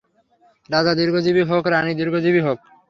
রাজা দীর্ঘজীবী হোক, রাণী দীর্ঘজীবী হোক।